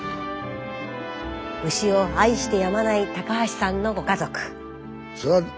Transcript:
牛を愛してやまない橋さんのご家族。